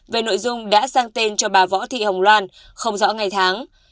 về nội dung đã sang tên cho bà võ thị hồng loan không rõ ngày tháng